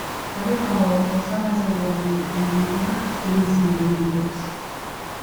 Every hall also has a Warden and a number of student Senior Members.